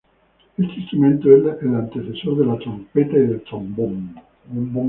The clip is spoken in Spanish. Este instrumento es el antecesor de la trompeta y del trombón.